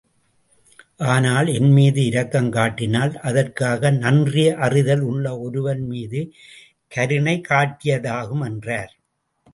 ஆனால், என் மீது இரக்கம் காட்டினால் அதற்காக நன்றியறிதல் உள்ள ஒருவன் மீது கருணை காட்டியதாகும் என்றார்.